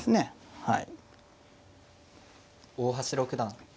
はい。